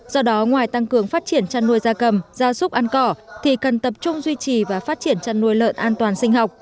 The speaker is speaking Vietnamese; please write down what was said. do đó ngoài tăng cường phát triển chăn nuôi da cầm da súc ăn cỏ thì cần tập trung duy trì và phát triển chăn nuôi lợn an toàn sinh học